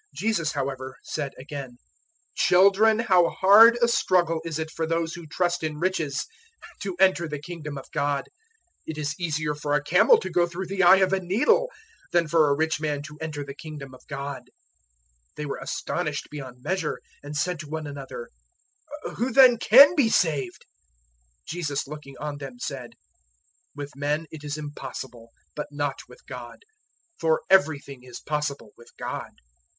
Jesus, however, said again, "Children, how hard a struggle is it for those who trust in riches to enter the Kingdom of God! 010:025 It is easier for a camel to go through the eye of a needle than for a rich man to enter the Kingdom of God." 010:026 They were astonished beyond measure, and said to one another, "Who then *can* be saved?" 010:027 Jesus looking on them said, "With men it is impossible, but not with God; for everything is possible with God."